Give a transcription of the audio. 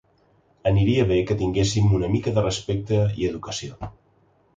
Aniria bé que tinguessin una mica de respecte i educació.